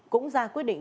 cũng ra quyết định